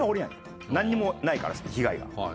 何にもないから被害が。